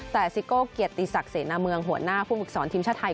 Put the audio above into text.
แต่ซิโก้เกียรติศักดิ์เสนาเมืองหัวหน้าผู้ฝึกสอนทีมชาติไทย